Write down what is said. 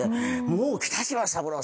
もう北島三郎さん。